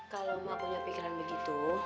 kalau mah punya pikiran begitu